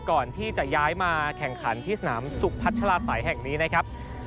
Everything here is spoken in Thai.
ก่อนที่จะย้ายมาแข่งขันที่สนามสุขพัชลาศัยแห่งนี้นะครับ